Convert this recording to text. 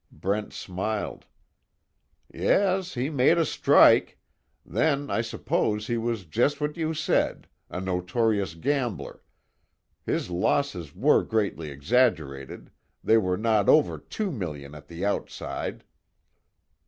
Brent smiled: "Yes, he made a strike. Then, I suppose, he was just what you said a notorious gambler his losses were grossly exaggerated, they were not over two millions at the outside."